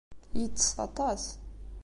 Yettess aṭas.